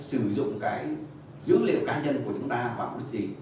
sử dụng cái dữ liệu cá nhân của chúng ta và không biết gì